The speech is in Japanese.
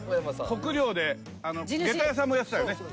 国領で下駄屋さんもやってたよね？